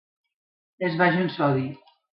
És baix en sodi.